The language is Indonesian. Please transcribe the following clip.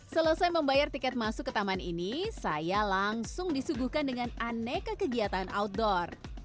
selesai membayar tiket masuk ke taman ini saya langsung disuguhkan dengan aneka kegiatan outdoor